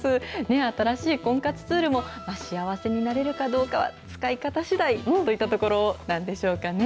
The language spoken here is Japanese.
新しい婚活ツールも、幸せになれるかどうかは使い方しだいといったところなんでしょうかね。